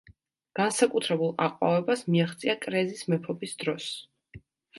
განსაკუთრებულ აყვავებას მიაღწია კრეზის მეფობის დროს.